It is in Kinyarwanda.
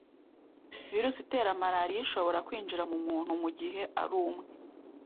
Virusi itera Malariya ishobora kwinjira mu muntu mu gihe arumwe